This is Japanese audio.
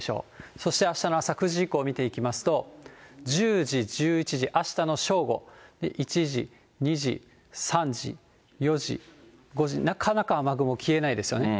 そしてあしたの朝９時以降見ていきますと、１０時、１１時、あしたの正午、１時、２時、３時、４時、５時、なかなか雨雲消えないですよね。